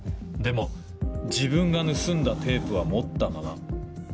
でも自分が盗んだテープは持ったまま。